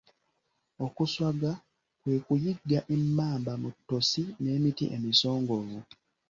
Okuswaga kwe kuyigga emmamba mu ttosi n'emiti emisongovu.